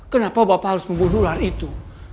kenapa bapak harus membunuh ular itu